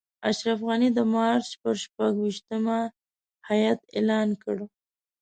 اشرف غني د مارچ پر شپږویشتمه هیات اعلان کړ.